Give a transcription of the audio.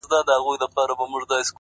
هر څه منم پر شخصيت باندي تېرى نه منم _